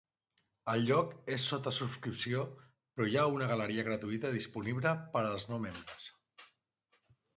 El lloc és sota subscripció però hi ha una galeria gratuïta disponible per als no membres.